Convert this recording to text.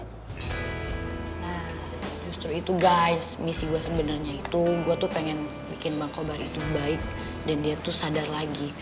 nah justru itu guys misi gue sebenarnya itu gue tuh pengen bikin bang kobar itu baik dan dia tuh sadar lagi